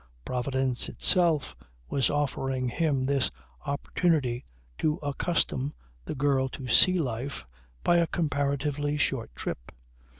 Providence itself was offering him this opportunity to accustom the girl to sea life by a comparatively short trip.